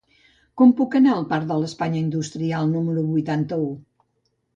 Com puc anar al parc de l'Espanya Industrial número vuitanta-u?